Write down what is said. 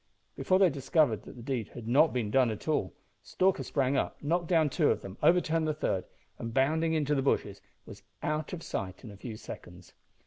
Before they discovered that the deed had not been done at all, Stalker sprang up, knocked down two of them, overturned the third, and, bounding into the bushes, was out of sight in a few seconds.